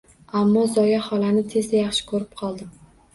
Ammo Zoya xolani tezda yaxshi ko’rib qoldim